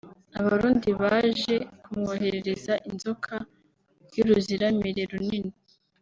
Abarundi baje kumwoherereza inzoka y’uruziramire runini